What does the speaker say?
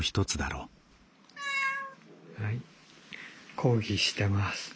はい抗議してます。